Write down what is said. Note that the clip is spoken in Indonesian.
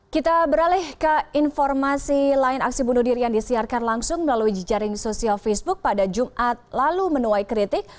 kita beralih ke informasi lain aksi bunuh diri yang disiarkan langsung melalui jejaring sosial facebook pada jumat lalu menuai kritik